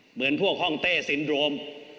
เหมือนพวกห้องเต้ซินโดม